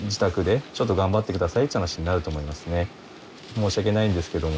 申し訳ないんですけども。